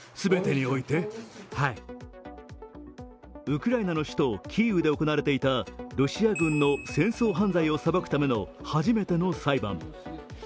ウクライナの首都キーウで行われていたロシア軍の戦争犯罪を裁くための初めての裁判。